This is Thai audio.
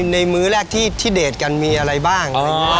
มื้อแรกที่เดทกันมีอะไรบ้าง